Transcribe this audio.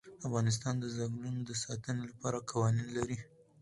افغانستان د چنګلونه د ساتنې لپاره قوانین لري.